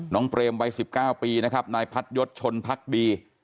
เปรมวัย๑๙ปีนะครับนายพัดยศชนพักดี